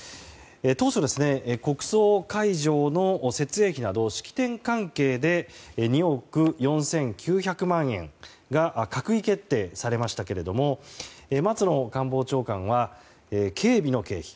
当初、国葬会場の設営費など式典関係で２億４９００万円が閣議決定されましたけども松野官房長官は警備の経費